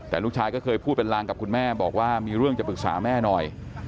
แต่ลูกชายก็เคยพูดเป็นลางกับคุณแม่บอกว่ามีเรื่องจะปรึกษาแม่หน่อย